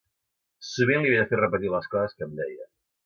Sovint li havia de fer repetir les coses que em deia.